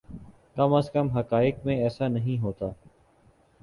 کم از کم حقائق میں ایسا نہیں ہوتا۔